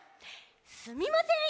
すみません。